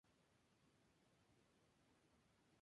Del al fue otra vez embajador en Bruselas